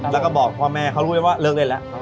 แล้วก็บอกพ่อแม่เขารู้ได้ว่าเลิกเล่นแล้ว